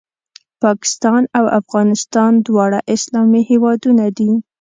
پاکستان او افغانستان دواړه اسلامي هېوادونه دي